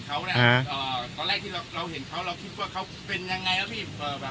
เขาเนี่ยตอนแรกที่เราเห็นเขาเราคิดว่าเขาเป็นยังไงครับพี่